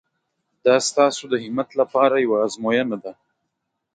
دا ستاسو د همت لپاره یوه ازموینه ده.